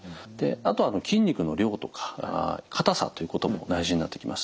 あとは筋肉の量とか硬さということも大事になってきます。